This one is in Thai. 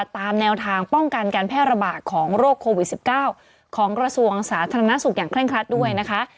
ตามแนวทางป้องกันการแพร่ระบาดของโรคโควิด๑๙ของกระทรวงสาธารณสุขอย่างเร่งครัดด้วยนะคะ